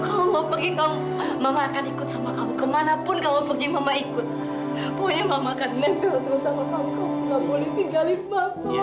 kamu nggak boleh tinggalin mama